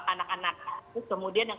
anak anak kemudian yang